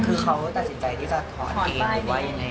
คือเขาตัดสินใจที่จะถอดเองหรือว่ายังไง